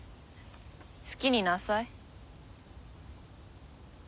好きになさい。